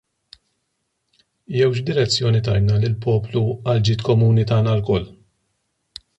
Jew x'direzzjoni tajna lill-poplu għal ġid komuni tagħna lkoll?